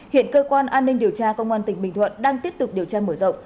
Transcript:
hiện cơ quan an ninh điều tra công an tỉnh bình thuận đang tiếp tục điều tra mở rộng